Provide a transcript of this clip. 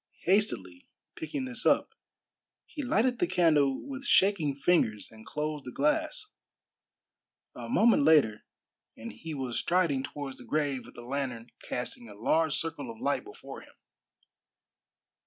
Hastily picking this up, he lighted the candle with shaking fingers and closed the glass. A moment later, and he was striding towards the grave with the lantern casting a large circle of light before him.